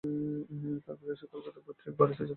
তারা প্রায়শই কলকাতার পৈতৃক বাড়িতে যাতায়াত করতেন।